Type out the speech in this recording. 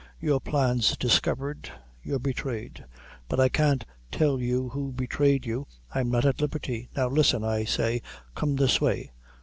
your plan's discovered, you're betrayed; but I can't tell you who betrayed you, I'm not at liberty. Now listen, I say, come this way.